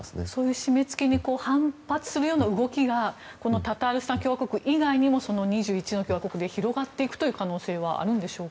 締め付けに反発するような動きがタタールスタン共和国以外にも２１の共和国で広がっていく可能性はあるんでしょうか。